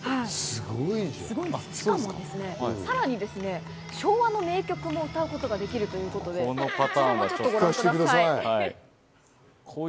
しかもさらに昭和の名曲も歌うことができるということで、こちらもちょっとご覧ください。